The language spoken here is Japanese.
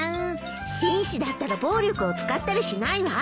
紳士だったら暴力を使ったりしないわ。